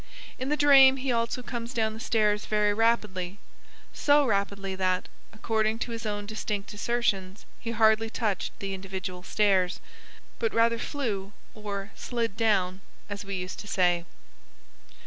In the dream he also comes down the stairs very rapidly so rapidly that, according to his own distinct assertions, he hardly touched the individual stairs, but rather "flew" or "slid down," as we used to say.